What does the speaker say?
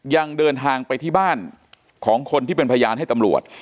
ยังเดินทางไปที่บ้านของคนที่เป็นพยานให้ตำรวจ